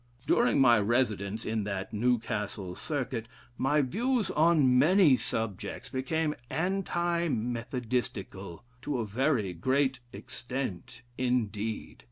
During my residence in that [Newcastle] circuit, my views on many subjects became anti Methodistical to a very great extent indeed.